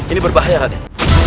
ini berbahaya raden